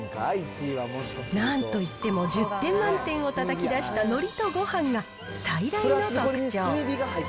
なんといっても１０点満点をたたき出したのりとごはんが、最大の特徴。